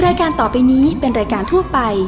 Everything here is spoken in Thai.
รายการต่อไปนี้เป็นรายการทั่วไป